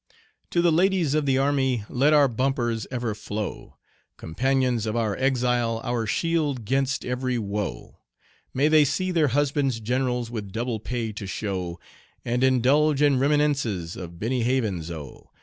To the ladies of the army let our bumpers ever flow, Companions of our exile, our shield 'gainst every woe, May they see their husbands generals with double pay to show, And indulge in reminiscences of Benny Havens' O.